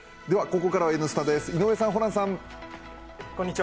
ここからは「Ｎスタ」です、井上さん、ホランさん。